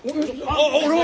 あっ俺も！